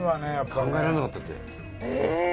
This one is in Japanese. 考えられなかったって。